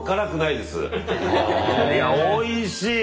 いやおいしい！